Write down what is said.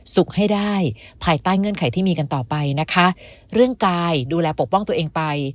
ให้ได้ภายใต้เงื่อนไขที่มีกันต่อไปนะคะเรื่องกายดูแลปกป้องตัวเองไป